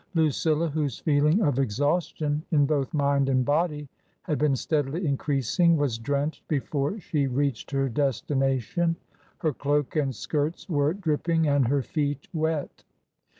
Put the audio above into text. Lucilla, whose feeling of exhaustion in both mind and body had been steadily increasing, was drenched before she reached her desti nation : her cloak and skirts were dripping and her feet wet.